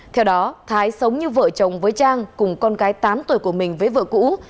theo đó thái sống như vợ chồng với trang cùng con gái tám tuổi của mình với vợ cũ